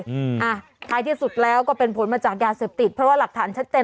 อืมอ่ะท้ายที่สุดแล้วก็เป็นผลมาจากยาเสพติดเพราะว่าหลักฐานชัดเจน